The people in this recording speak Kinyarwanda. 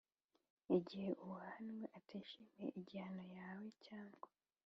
Igihe uwahanwe atishimiye igihano yahawe cyangwa